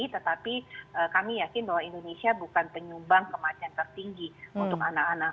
tetapi kami yakin bahwa indonesia bukan penyumbang kematian tertinggi untuk anak anak